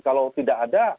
kalau tidak ada